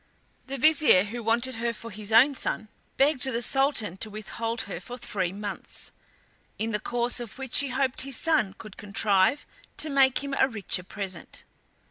The Vizier, who wanted her for his own son, begged the Sultan to withhold her for three months, in the course of which he hoped his son could contrive to make him a richer present.